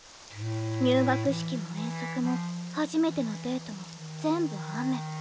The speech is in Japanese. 入学式も遠足も初めてのデートも全部雨。